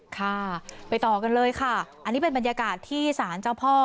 ค่ะไปต่อกันเลยค่ะอันนี้เป็นบรรยากาศที่ศาลเจ้าพ่อ